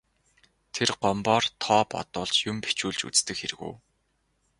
Тэр Гомбоор тоо бодуулж, юм бичүүлж үздэг хэрэг үү.